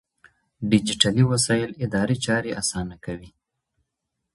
ډيجيټلي وسايل اداري چارې آسانه کوي.